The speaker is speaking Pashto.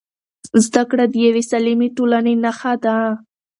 زده کړه د یوې سالمې ټولنې نښه ده.